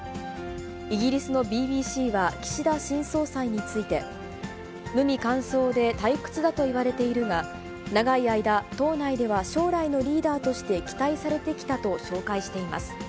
イギリスのＢＢＣは岸田新総裁について、無味乾燥で退屈だといわれているが、長い間、党内では将来のリーダーとして期待されてきたと紹介しています。